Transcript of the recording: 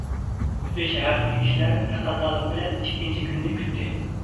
پۈتۈن شەھەردىكى كىشىلەر تەقەززالىق بىلەن ئىككىنچى كۈننى كۈتتى.